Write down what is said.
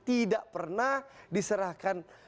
tidak pernah diserahkan